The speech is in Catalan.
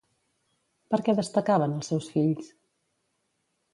Per què destacaven els seus fills?